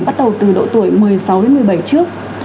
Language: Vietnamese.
bắt đầu từ độ tuổi một mươi sáu đến một mươi bảy trước